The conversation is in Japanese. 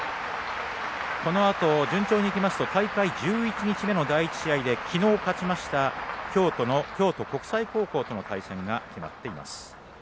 このあと、順調にいきますと大会１１日目の第１試合で、きのう勝ちました京都の京都国際高校との対戦が決まっています。